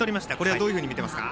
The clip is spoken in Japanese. どういうふうに見ていますか。